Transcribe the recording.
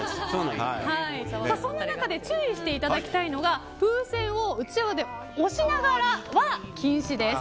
そんな中で注意していただきたいのが風船をうちわで押しながらは禁止です。